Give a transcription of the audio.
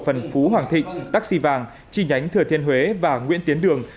công an tỉnh phú hoàng thịnh taxi vàng trị nhánh thừa thiên huế và nguyễn tiến đường